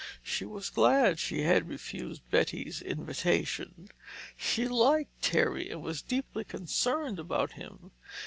She was glad she had refused Betty's invitation. She liked Terry and was deeply concerned about him.